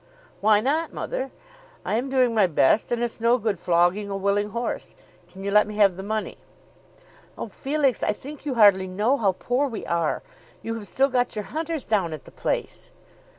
"Why not, mother? I am doing my best, and it's no good flogging a willing horse. Can you let me have the money?" "Oh, Felix, I think you hardly know how poor we are. You have still got your hunters down at the place!"